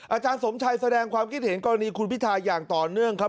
อาจารย์สมชัยแสดงความคิดเห็นกรณีคุณพิทาอย่างต่อเนื่องครับ